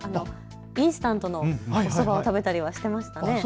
インスタントのおそばも食べたりしていました。